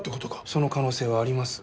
その可能性はあります。